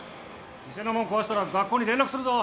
店のもん壊したら学校に連絡するぞ。